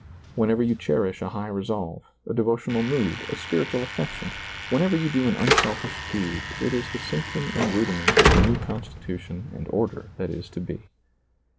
Whenever you cherish a high resolve, a devotional mood, a spiritual aflection, whenever you do an unselfish deed, it is the symptom and rudiment of the new constitution and order that is to be.